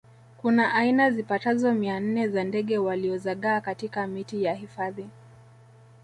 kuna aina zipatazo mia nne za ndege waliozagaa katika miti ya hifadhi